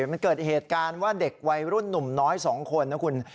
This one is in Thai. มันเกิดเหตุการณ์ว่าเด็กวัยรุ่นหนุ่มน้อย๒คนนะคุณ